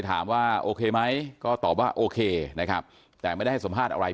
ถามว่าโอเคไหมก็ตอบว่าโอเคนะครับแต่ไม่ได้ให้สัมภาษณ์อะไร